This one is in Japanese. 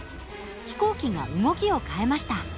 飛行機が動きを変えました。